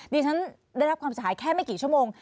ดิฉันได้รับความเสียหายแค่ไม่กี่ชั่วโมง